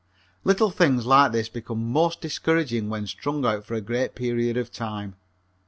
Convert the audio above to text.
Little things like this become most discouraging when strung out for a great period of time.